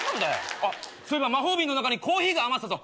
そういえば魔法瓶の中にコーヒーが余ってたぞ！